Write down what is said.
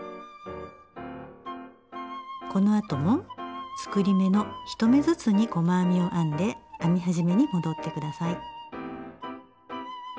このあとも作り目の１目ずつに細編みを編んで編み始めに戻ってください。